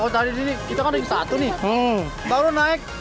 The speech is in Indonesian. tadi kita kan ada satu nih